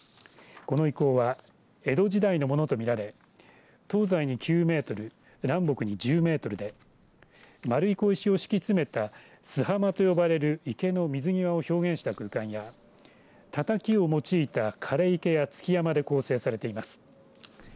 この遺構は江戸時代のものとみられ東西に９メートル南北に１０メートルで丸い小石を敷き詰めた洲浜と呼ばれる池の水際を表現した空間や三和土を用いた枯池や築山で構成されています。